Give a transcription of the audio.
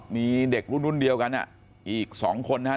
มีเด็กรุ่นเดียวกันอีก๒คนนะครับ